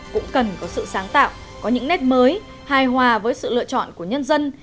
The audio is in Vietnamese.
cũng cần có sự sáng tạo có những nét mới hài hòa với sự lựa chọn của nhân dân